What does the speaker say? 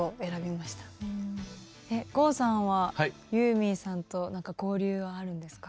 郷さんはユーミンさんと何か交流あるんですか？